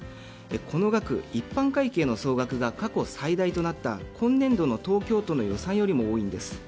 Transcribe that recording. この額、一般会計の総額が過去最大となった今年度の東京都の予算よりも多いんです。